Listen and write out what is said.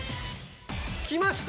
きました！